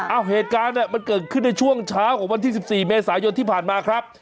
เหตุการณ์เนี่ยมันเกิดขึ้นในช่วงเช้าของวันที่๑๔เมษายนที่ผ่านมาครับ